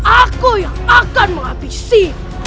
aku yang akan menghabisi